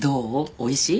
おいしい？